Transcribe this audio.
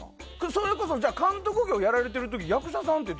それこそ、監督業やられている時役者さんは？